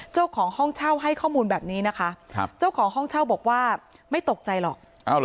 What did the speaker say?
เจ้าของห้องเช่าให้ข้อมูลแบบนี้นะคะเจ้าของห้องเช่าบอกว่าไม่ตกใจหรอก